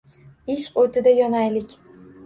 Ishq o’tida yonaylik.